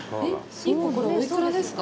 １個、これ、お幾らですか？